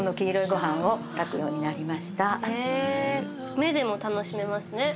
目でも楽しめますね。